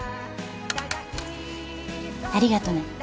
ありがとね。